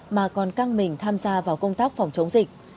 mà còn căng mình tham gia vào công tác phòng chống dịch